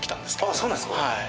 ・あっそうなんですか？